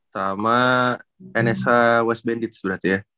sama nsa west bandits berarti ya